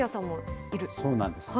そうなんです。